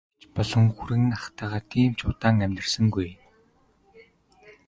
Мария эгч болон хүргэн ахтайгаа тийм ч удаан амьдарсангүй.